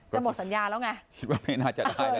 หมดสัญญาแล้วไงคิดว่าไม่น่าจะได้แล้ว